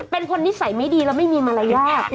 เป็นคนนิสัยไม่ดีแล้วไม่มีมารยาท